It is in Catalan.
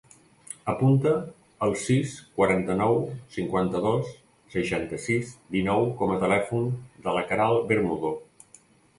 Apunta el sis, cinquanta-nou, cinquanta-dos, seixanta-sis, dinou com a telèfon de la Queralt Bermudo.